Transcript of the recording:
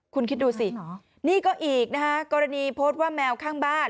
คุณคิดดูสินี่ก็อีกนะคะกรณีโพสต์ว่าแมวข้างบ้าน